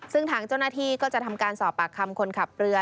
ซึ่งทางเจ้าหน้าที่ก็จะทำการสอบปากคำคนขับเรือ